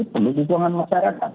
perlu dukungan masyarakat